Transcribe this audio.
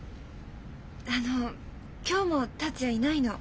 あの今日も達也いないの。